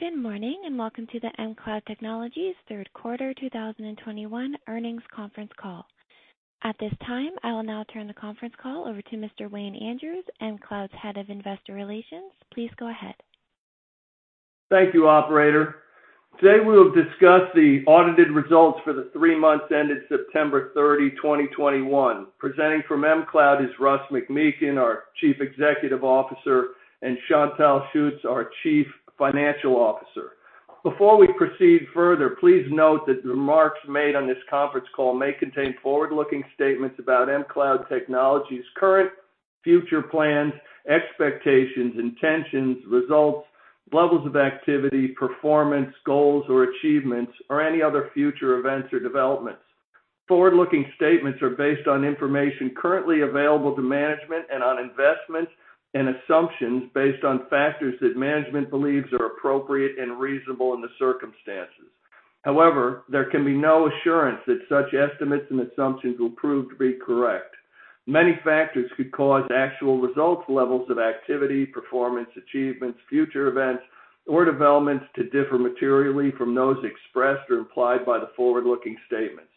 Good morning, and welcome to the mCloud Technologies third quarter 2021 earnings conference call. At this time, I will now turn the conference call over to Mr. Wayne Andrews, mCloud's Head of Investor Relations. Please go ahead. Thank you, operator. Today, we'll discuss the audited results for the three months ended September 30, 2021. Presenting from mCloud is Russ McMeekin, our Chief Executive Officer, and Chantal Schutz, our Chief Financial Officer. Before we proceed further, please note that remarks made on this conference call may contain forward-looking statements about mCloud Technologies' current and future plans, expectations, intentions, results, levels of activity, performance, goals or achievements or any other future events or developments. Forward-looking statements are based on information currently available to management and on investments and assumptions based on factors that management believes are appropriate and reasonable in the circumstances. However, there can be no assurance that such estimates and assumptions will prove to be correct. Many factors could cause actual results, levels of activity, performance, achievements, future events, or developments to differ materially from those expressed or implied by the forward-looking statements.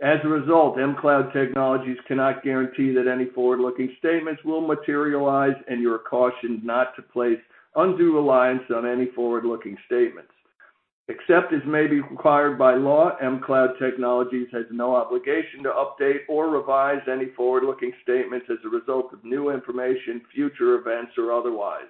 As a result, mCloud Technologies cannot guarantee that any forward-looking statements will materialize, and you are cautioned not to place undue reliance on any forward-looking statements. Except as may be required by law, mCloud Technologies has no obligation to update or revise any forward-looking statements as a result of new information, future events, or otherwise.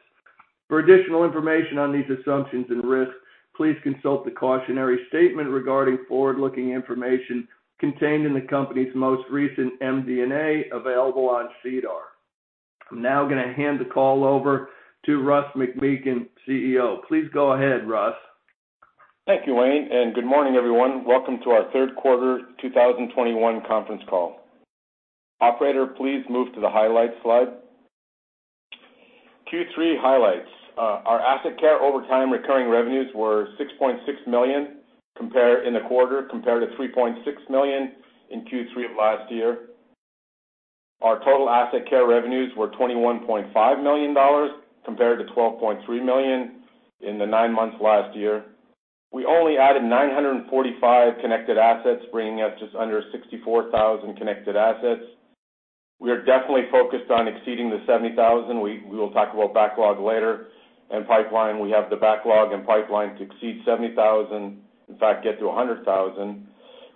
For additional information on these assumptions and risks, please consult the cautionary statement regarding forward-looking information contained in the company's most recent MD&A available on SEDAR. I'm now gonna hand the call over to Russ McMeekin, CEO. Please go ahead, Russ. Thank you, Wayne, and good morning, everyone. Welcome to our third quarter 2021 conference call. Operator, please move to the highlights slide. Q3 highlights. Our AssetCare over time recurring revenues were 60.6 million in the quarter compared to 3.6 million in Q3 of last year. Our total AssetCare revenues were 21.5 million dollars compared to 12.3 million in the nine months last year. We only added 945 connected assets, bringing us just under 64,000 connected assets. We are definitely focused on exceeding the 70,000. We will talk about backlog later and pipeline. We have the backlog and pipeline to exceed 70,000, in fact, get to a 100,000.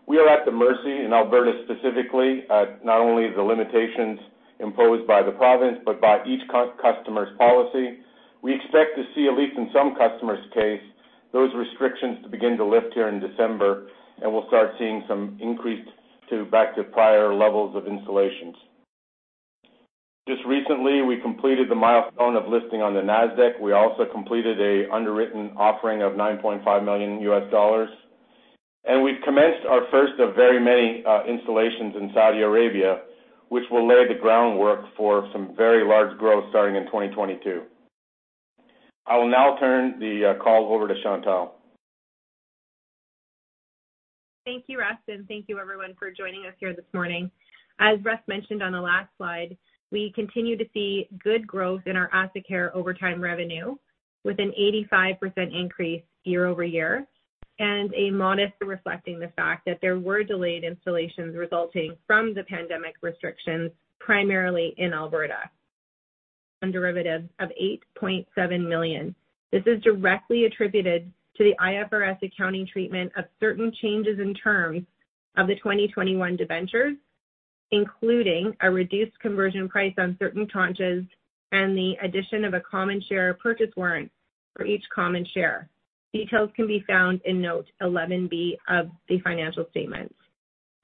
We are at the mercy in Alberta specifically at not only the limitations imposed by the province but by each customer's policy. We expect to see, at least in some customers' case, those restrictions to begin to lift here in December, and we'll start seeing some increase to back to prior levels of installations. Just recently, we completed the milestone of listing on the Nasdaq. We also completed an underwritten offering of $9.5 million. We've commenced our first of very many installations in Saudi Arabia, which will lay the groundwork for some very large growth starting in 2022. I will now turn the call over to Chantal. Thank you, Russ, and thank you everyone for joining us here this morning. As Russ mentioned on the last slide, we continue to see good growth in our AssetCare recurring revenue with an 85% increase year-over-year and a modest reflecting the fact that there were delayed installations resulting from the pandemic restrictions, primarily in Alberta. Derivative of 8.7 million. This is directly attributed to the IFRS accounting treatment of certain changes in terms of the 2021 debentures, including a reduced conversion price on certain tranches and the addition of a common share purchase warrant for each common share. Details can be found in Note 11B of the financial statements.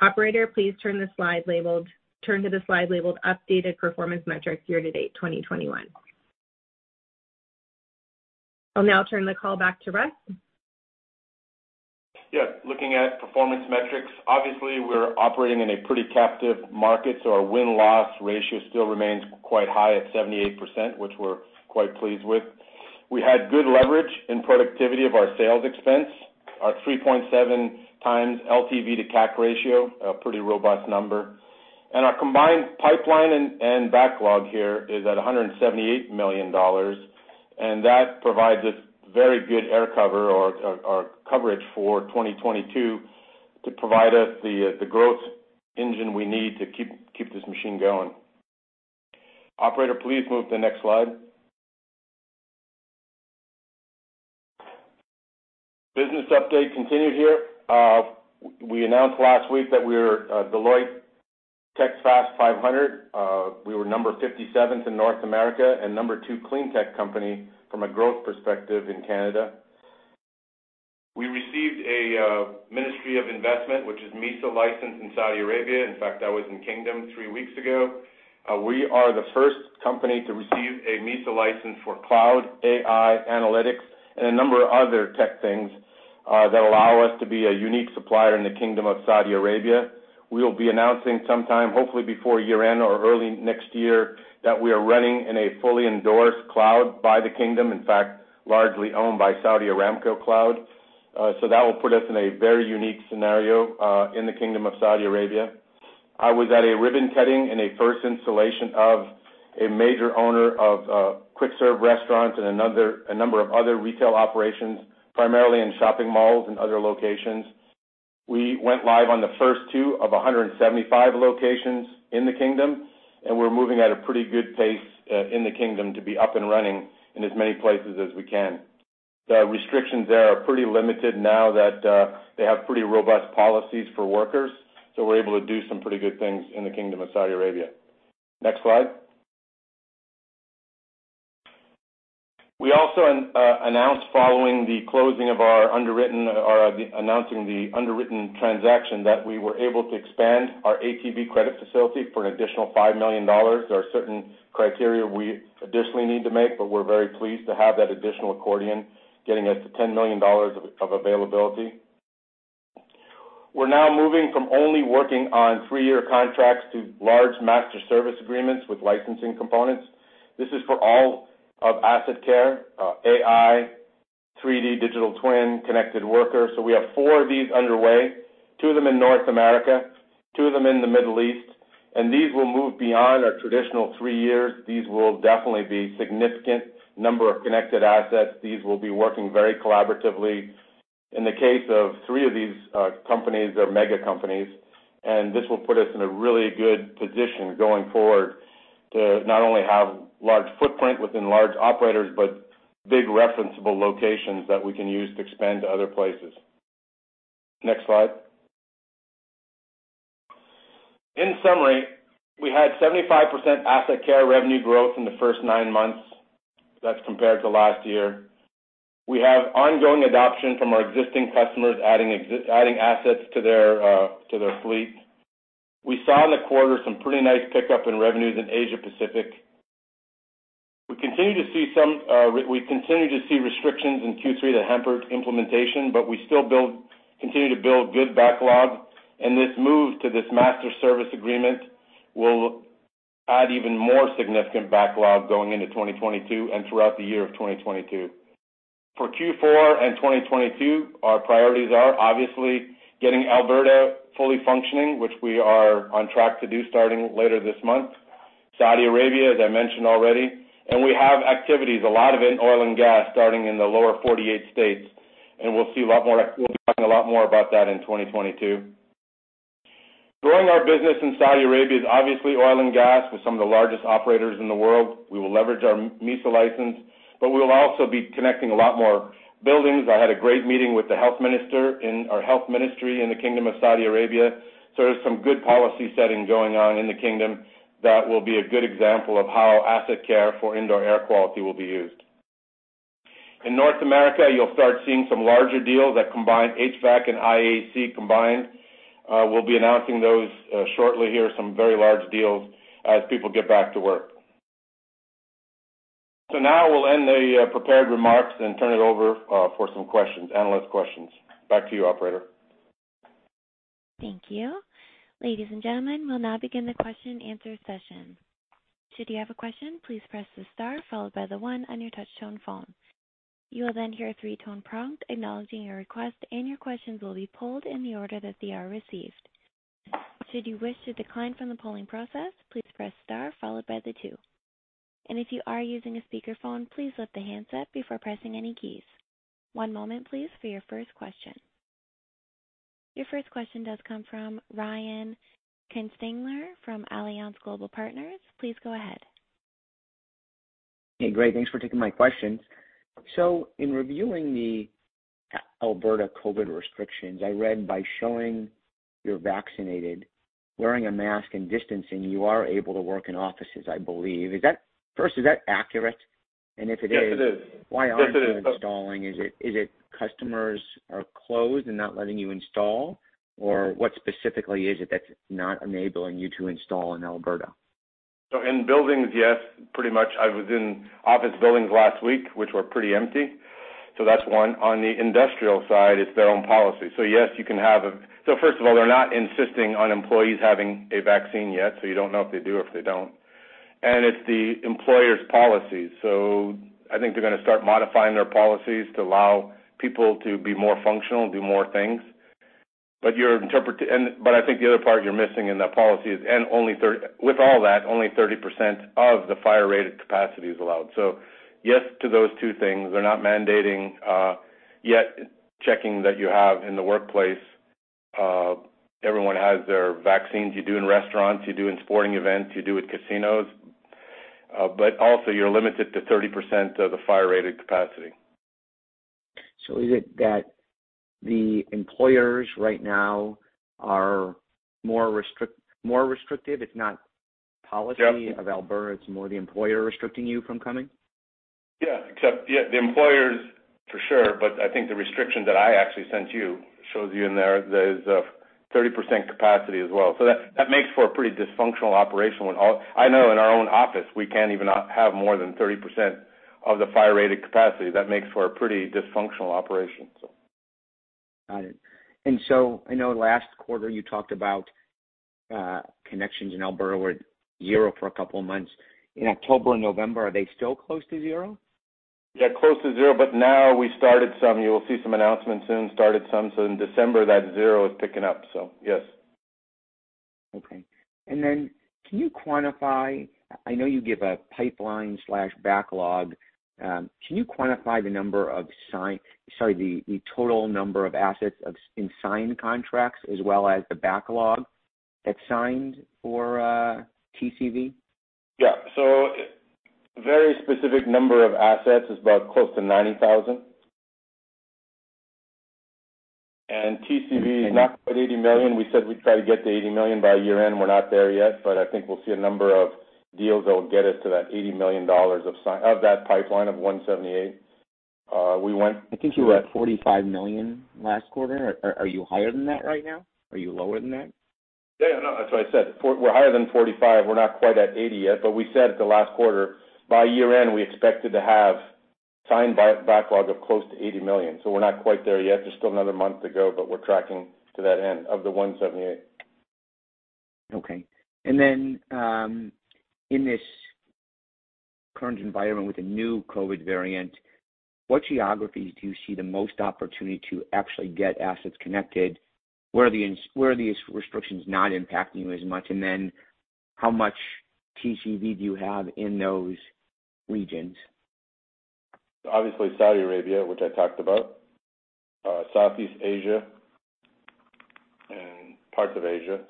Operator, please turn to the slide labeled Updated Performance Metrics Year-to-Date 2021. I'll now turn the call back to Russ. Looking at performance metrics, obviously we're operating in a pretty captive market, so our win-loss ratio still remains quite high at 78%, which we're quite pleased with. We had good leverage in productivity of our sales expense. Our 3.7x LTV to CAC ratio, a pretty robust number. Our combined pipeline and backlog here is at 178 million dollars, and that provides us very good air cover or coverage for 2022 to provide us the growth engine we need to keep this machine going. Operator, please move to the next slide. Business update continues here. We announced last week that we're a Deloitte Technology Fast 500. We were No. 57th in North America and No. 2 clean tech company from a growth perspective in Canada. We received a MISA license in Saudi Arabia. In fact, I was in the Kingdom three weeks ago. We are the first company to receive a MISA license for cloud AI analytics and a number of other tech things that allow us to be a unique supplier in the Kingdom of Saudi Arabia. We'll be announcing sometime, hopefully before year-end or early next year, that we are running in a fully endorsed cloud by the Kingdom, in fact, largely owned by Saudi Aramco Cloud. That will put us in a very unique scenario in the Kingdom of Saudi Arabia. I was at a ribbon-cutting and a first installation of a major owner of quick-serve restaurants and a number of other retail operations, primarily in shopping malls and other locations. We went live on the first two of 175 locations in the kingdom, and we're moving at a pretty good pace in the kingdom to be up and running in as many places as we can. The restrictions there are pretty limited now that they have pretty robust policies for workers. We're able to do some pretty good things in the Kingdom of Saudi Arabia. Next slide. We also announce following the closing of our underwritten transaction that we were able to expand our ATB credit facility for an additional 5 million dollars. There are certain criteria we additionally need to make, but we're very pleased to have that additional accordion getting us to 10 million dollars of availability. We're now moving from only working on three-year contracts to large master service agreements with licensing components. This is for all of AssetCare, AI, 3D Digital Twin, Connected Worker. We have four of these underway, two of them in North America, two of them in the Middle East. These will move beyond our traditional three years. These will definitely be significant number of connected assets. These will be working very collaboratively. In the case of three of these, companies or mega companies, and this will put us in a really good position going forward to not only have large footprint within large operators, but big referenceable locations that we can use to expand to other places. Next slide. In summary, we had 75% AssetCare revenue growth in the first nine months. That's compared to last year. We have ongoing adoption from our existing customers, adding assets to their fleet. We saw in the quarter some pretty nice pickup in revenues in Asia Pacific. We continue to see some restrictions in Q3 that hampered implementation, but we still continue to build good backlog. This move to this master service agreement will add even more significant backlog going into 2022 and throughout the year of 2022. For Q4 and 2022, our priorities are obviously getting Alberta fully functioning, which we are on track to do starting later this month, Saudi Arabia, as I mentioned already, and we have activities, a lot of it in oil and gas, starting in the lower 48 states, and we'll be talking a lot more about that in 2022. Growing our business in Saudi Arabia is obviously oil and gas with some of the largest operators in the world. We will leverage our MISA license, but we will also be connecting a lot more buildings. I had a great meeting with the health ministry in the Kingdom of Saudi Arabia. There's some good policy setting going on in the kingdom that will be a good example of how AssetCare for indoor air quality will be used. In North America, you'll start seeing some larger deals that combine HVAC and IAQ. We'll be announcing those shortly here, some very large deals as people get back to work. Now we'll end the prepared remarks and turn it over for some questions, analyst questions. Back to you, operator. Thank you. Ladies and gentlemen, we'll now begin the question-answer session. Should you have a question, please press the star followed by the one on your touch tone phone. You will then hear a three-tone prompt acknowledging your request, and your questions will be pulled in the order that they are received. Should you wish to decline from the polling process, please press star followed by the two. If you are using a speaker phone, please lift the handset before pressing any keys. One moment, please, for your first question. Your first question does come from Brian Kinstlinger from AGP/ Alliance Global Partners. Please go ahead. Hey, Greg. Thanks for taking my questions. In reviewing the Alberta COVID restrictions, I read that by showing you're vaccinated, wearing a mask and distancing, you are able to work in offices, I believe. First, is that accurate? If it is. Yes, it is. Why aren't you installing? Is it customers are closed and not letting you install? Or what specifically is it that's not enabling you to install in Alberta? In buildings, yes, pretty much. I was in office buildings last week, which were pretty empty. That's one. On the industrial side, it's their own policy. Yes, you can have. First of all, they're not insisting on employees having a vaccine yet, so you don't know if they do or if they don't. It's the employer's policy. I think they're gonna start modifying their policies to allow people to be more functional, do more things. I think the other part you're missing in that policy is, with all that, only 30% of the fire-rated capacity is allowed. Yes to those two things. They're not mandating yet checking that you have in the workplace, everyone has their vaccines. You do in restaurants, you do in sporting events, you do with casinos. You're limited to 30% of the fire-rated capacity. Is it that the employers right now are more restrictive? It's not policy of Alberta, it's more the employer restricting you from coming? Yeah. Except, yeah, the employees for sure, but I think the restriction that I actually sent you shows you in there's a 30% capacity as well. So that makes for a pretty dysfunctional operation. I know in our own office, we can't even have more than 30% of the fire-rated capacity. That makes for a pretty dysfunctional operation. Got it. I know last quarter you talked about connections in Alberta were zero for a couple of months. In October and November, are they still close to zero? Yeah, close to zero, but now we started some. You will see some announcements soon. Started some. In December that zero is picking up. Yes. Okay. Can you quantify? I know you give a pipeline slash backlog. Can you quantify the total number of assets in signed contracts as well as the backlog that's signed for TCV? Yeah. Very specific number of assets is about close to 90,000. TCV is not quite $80 million. We said we'd try to get to $80 million by year end. We're not there yet, but I think we'll see a number of deals that will get us to that $80 million of that pipeline of 178. We went. I think you were at 45 million last quarter. Are you higher than that right now? Are you lower than that? Yeah, no, that's what I said. We're higher than 45 million. We're not quite at 80 yet, but we said at the last quarter, by year end, we expected to have signed backlog of close to 80 million. We're not quite there yet. There's still another month to go, but we're tracking to that end of the 178 million. Okay. In this current environment with the new COVID variant, what geographies do you see the most opportunity to actually get assets connected? Where are these restrictions not impacting you as much? How much TCV do you have in those regions? Obviously Saudi Arabia, which I talked about, Southeast Asia and parts of Asia.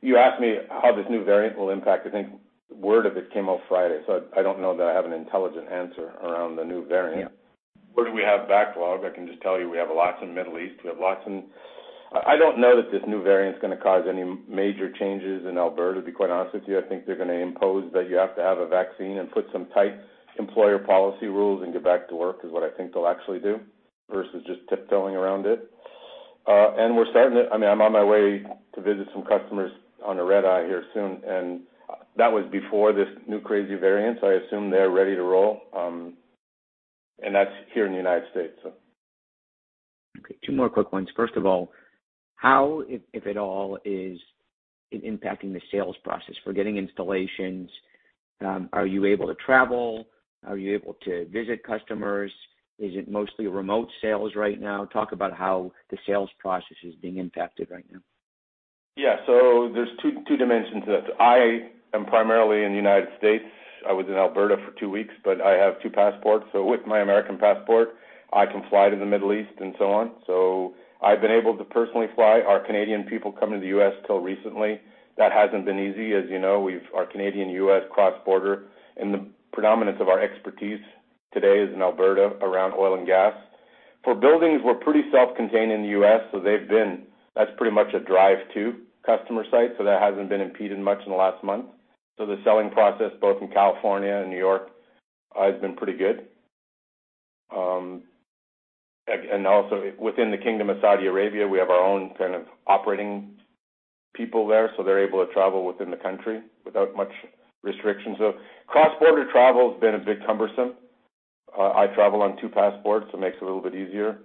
You asked me how this new variant will impact. I think word of it came out Friday, so I don't know that I have an intelligent answer around the new variant. Yeah. Where do we have backlog? I can just tell you we have lots in Middle East. I don't know that this new variant is gonna cause any major changes in Alberta, to be quite honest with you. I think they're gonna impose that you have to have a vaccine and put some tight employer policy rules and get back to work, is what I think they'll actually do, versus just tiptoeing around it. I mean, I'm on my way to visit some customers on a red-eye here soon, and that was before this new crazy variant, so I assume they're ready to roll. That's here in the United States, so. Okay. Two more quick ones. First of all, how, if at all, is it impacting the sales process for getting installations? Are you able to travel? Are you able to visit customers? Is it mostly remote sales right now? Talk about how the sales process is being impacted right now. Yeah. There’s two dimensions to that. I am primarily in the U.S. I was in Alberta for two weeks, but I have two passports, so with my American passport, I can fly to the Middle East and so on. I’ve been able to personally fly. Our Canadian people come into the U.S. till recently. That hasn’t been easy. As you know, our Canadian-U.S. cross-border and the predominance of our expertise today is in Alberta around oil and gas. For buildings, we’re pretty self-contained in the U.S., so that’s pretty much a drive to customer site, so that hasn’t been impeded much in the last month. The selling process, both in California and New York, has been pretty good. Within the Kingdom of Saudi Arabia, we have our own kind of operating people there, so they're able to travel within the country without much restrictions. Cross-border travel has been a bit cumbersome. I travel on two passports, so it makes it a little bit easier.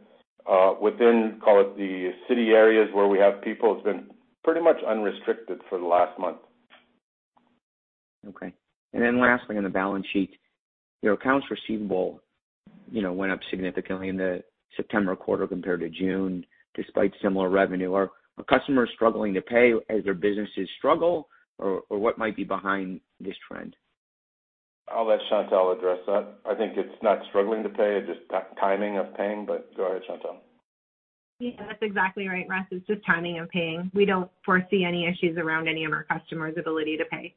Within, call it the city areas where we have people, it's been pretty much unrestricted for the last month. Okay. Lastly, on the balance sheet, your accounts receivable, you know, went up significantly in the September quarter compared to June, despite similar revenue. Are customers struggling to pay as their businesses struggle, or what might be behind this trend? I'll let Chantal address that. I think it's not struggling to pay, just timing of paying. Go ahead, Chantal. Yeah, that's exactly right, Russ. It's just timing of paying. We don't foresee any issues around any of our customers' ability to pay.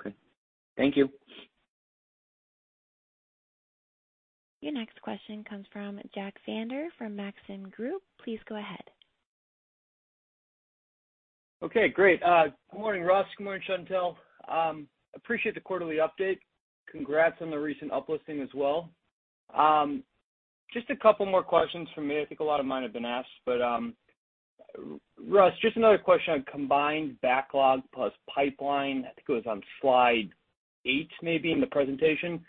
Okay. Thank you. Your next question comes from Jack Vander Aarde from Maxim Group. Please go ahead. Okay, great. Good morning, Russ. Good morning, Chantal. Appreciate the quarterly update. Congrats on the recent uplisting as well. Just a couple more questions from me. I think a lot of mine have been asked. Russ, just another question on combined backlog plus pipeline. I think it was on slide 8, maybe, in the presentation.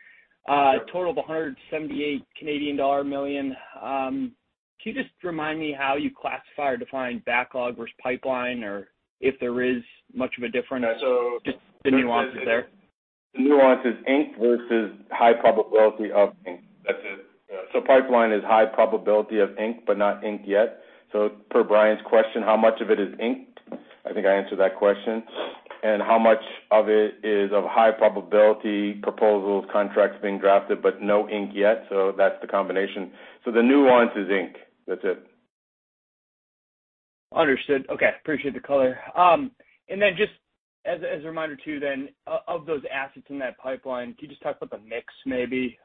Total of 178 million Canadian dollar. Can you just remind me how you classify or define backlog versus pipeline, or if there is much of a difference, just the nuances there? The nuance is inked versus high probability of ink. That's it. Yeah. Pipeline is high probability of ink, but not inked yet. Per Brian's question, how much of it is inked? I think I answered that question. How much of it is of high probability proposals, contracts being drafted, but no ink yet. That's the combination. The nuance is ink. That's it. Understood. Okay. Appreciate the color. Just as a reminder, of those assets in that pipeline, can you just talk about the mix maybe,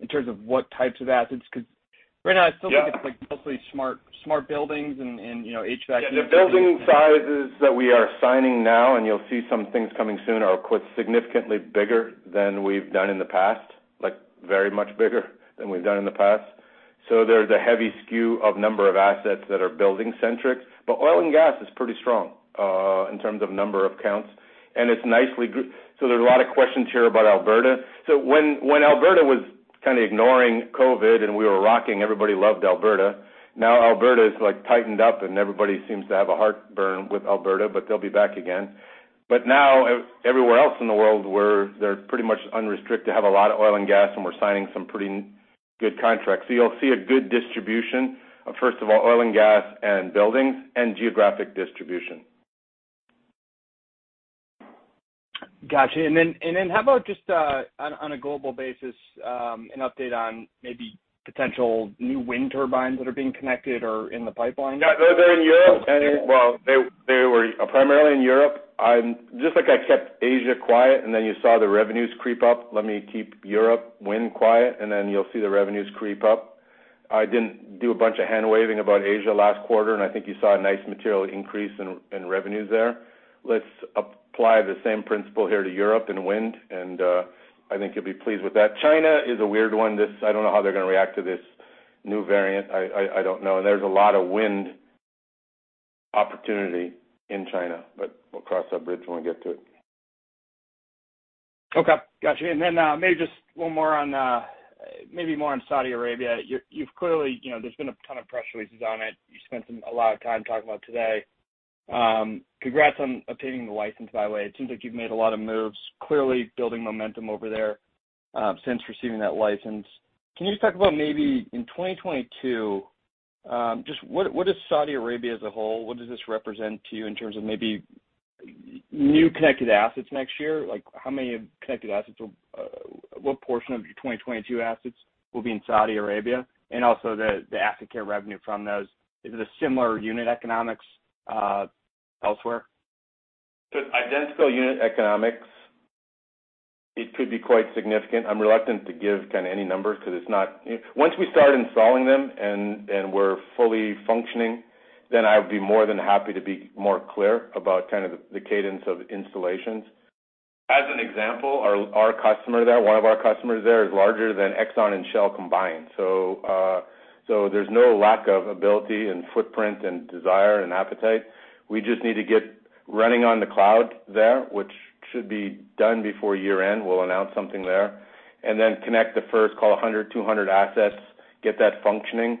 in terms of what types of assets? Because right now I still think it's like mostly smart buildings and you know, HVAC. Yeah, the building sizes that we are signing now, and you'll see some things coming soon, are quite significantly bigger than we've done in the past, like very much bigger than we've done in the past. There's a heavy skew in the number of assets that are building-centric. Oil and gas is pretty strong in terms of number of accounts. There's a lot of questions here about Alberta. When Alberta was kind of ignoring COVID and we were rocking, everybody loved Alberta. Now Alberta is like tightened up and everybody seems to have a heartburn with Alberta, but they'll be back again. Now everywhere else in the world where they're pretty much unrestricted have a lot of oil and gas, and we're signing some pretty good contracts. You'll see a good distribution of, first of all, oil and gas and buildings and geographic distribution. Got you. How about just on a global basis, an update on maybe potential new wind turbines that are being connected or in the pipeline? They're in Europe. Well, they were primarily in Europe. Just like I kept Asia quiet, and then you saw the revenues creep up, let me keep Europe wind quiet, and then you'll see the revenues creep up. I didn't do a bunch of hand-waving about Asia last quarter, and I think you saw a nice material increase in revenues there. Let's apply the same principle here to Europe and wind, and I think you'll be pleased with that. China is a weird one. I don't know how they're gonna react to this new variant. I don't know. There's a lot of wind opportunity in China, but we'll cross that bridge when we get to it. Okay. Got you. Maybe just one more on maybe more on Saudi Arabia. You've clearly, you know, there's been a ton of press releases on it. You spent a lot of time talking about it today. Congrats on obtaining the license, by the way. It seems like you've made a lot of moves, clearly building momentum over there, since receiving that license. Can you just talk about maybe in 2022, just what does Saudi Arabia as a whole, what does this represent to you in terms of maybe new connected assets next year? Like, how many connected assets, what portion of your 2022 assets will be in Saudi Arabia? And also the AssetCare revenue from those, is it a similar unit economics elsewhere? Identical unit economics, it could be quite significant. I'm reluctant to give kinda any numbers 'cause it's not. Once we start installing them and we're fully functioning, then I would be more than happy to be more clear about kind of the cadence of installations. As an example, our customer there, one of our customers there is larger than Exxon and Shell combined. There's no lack of ability and footprint and desire and appetite. We just need to get running on the cloud there, which should be done before year-end. We'll announce something there. Then connect the first couple hundred assets, get that functioning,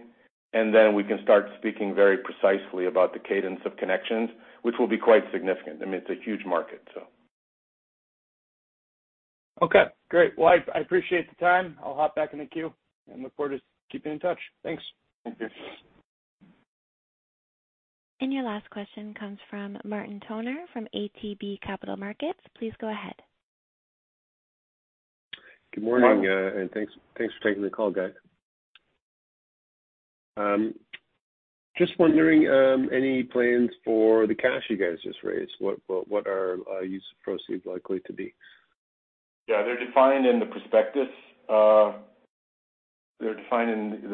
and then we can start speaking very precisely about the cadence of connections, which will be quite significant. I mean, it's a huge market. Okay, great. Well, I appreciate the time. I'll hop back in the queue and look forward to keeping in touch. Thanks. Thank you. Your last question comes from Martin Toner from ATB Capital Markets. Please go ahead. Good morning, and thanks for taking the call, guys. Just wondering, any plans for the cash you guys just raised? What are use of proceeds likely to be? Yeah, they're defined in the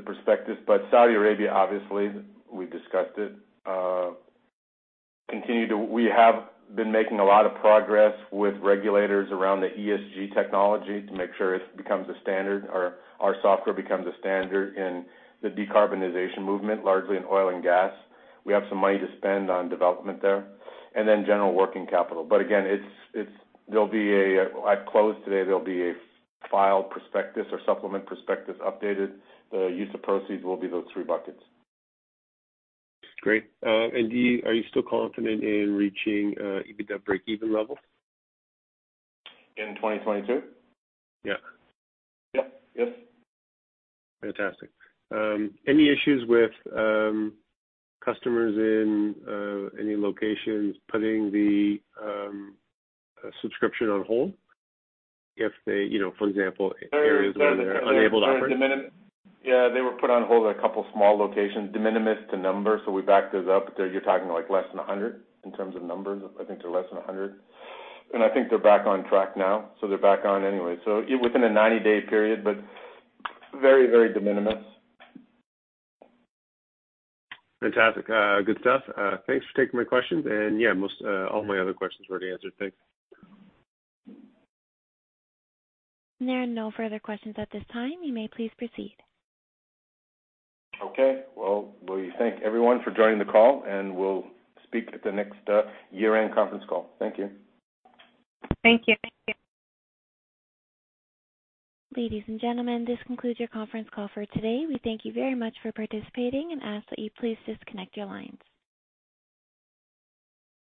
prospectus, but Saudi Arabia, obviously we discussed it. We have been making a lot of progress with regulators around the ESG technology to make sure it becomes a standard or our software becomes a standard in the decarbonization movement, largely in oil and gas. We have some money to spend on development there and then general working capital. Again, there'll be a filed prospectus or supplement prospectus updated at close today. The use of proceeds will be those three buckets. Great. Are you still confident in reaching EBITDA break-even level? In 2022? Yeah. Yeah. Yes. Fantastic. Any issues with customers in any locations putting the subscription on hold if they, you know, for example, areas where they're unable to operate? Yeah, they were put on hold at a couple of small locations, de minimis to numbers, so we backed those up. You're talking like less than 100 in terms of numbers. I think they're less than 100. I think they're back on track now, so they're back on anyway. Within a 90-day period, but very, very de minimis. Fantastic. Good stuff. Thanks for taking my questions. Yeah, most all my other questions were already answered. Thanks. There are no further questions at this time. You may please proceed. Okay. Well, we thank everyone for joining the call, and we'll speak at the next year-end conference call. Thank you. Thank you. Thank you. Ladies and gentlemen, this concludes your conference call for today. We thank you very much for participating and ask that you please disconnect your lines.